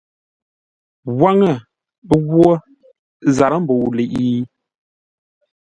Waŋə ghwo zarə́ mbə̂u ləiʼi?